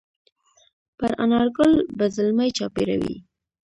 پر انارګل به زلمي چاپېروي